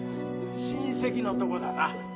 親戚のとこだな。